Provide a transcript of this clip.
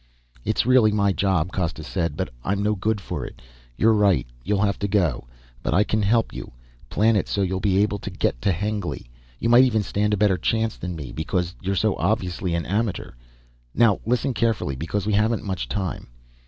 "It's really my job," Costa said, "but I'm no good for it. You're right, you'll have to go. But I can help you, plan it so you will be able to get to Hengly. You might even stand a better chance than me, because you are so obviously an amateur. Now listen carefully, because we haven't much time."